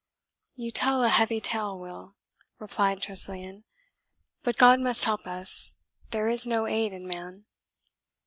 "You tell a heavy tale, Will," replied Tressilian; "but God must help us there is no aid in man."